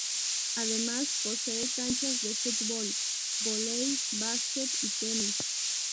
Además, posee canchas de fútbol, vóley, básquet y tenis.